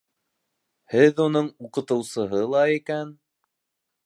Һеҙ уның уҡытыусыһы ла икән.